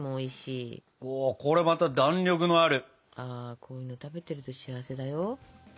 こういうの食べてると幸せだよ。